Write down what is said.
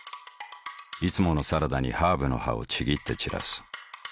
いつものサラダにハーブの葉をちぎって散らす。